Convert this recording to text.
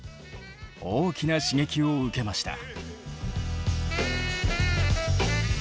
大きな刺激を受けました。